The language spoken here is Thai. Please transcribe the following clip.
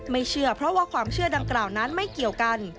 เชื่อเพราะว่าความเชื่อดังกล่าวนั้นไม่เกี่ยวกัน